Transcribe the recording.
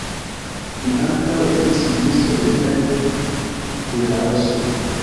Li ankaŭ estis Ministro de Defendo de Laoso.